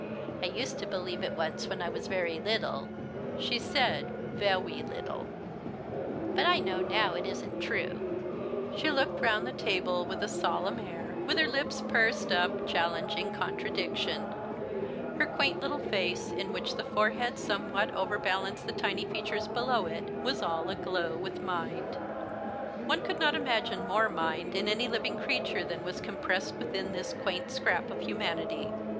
" I used to believe it once when I was very little "— she said vewmj little ;" but now I know it isn't true." "She looked round the table with a solemn air, with her SIR JOHN WATCHED HEU CURIOUSLY. The Christmas Hirelings. 107 lips pursed up, challenging contradiction. Her quaint little lace, in ^^hich the forehead somewhat overbalanced the tiny features below it, was all aglow with mind. One could not imagine more mind in any living creature than was compressed within this quaint scrap of humanity.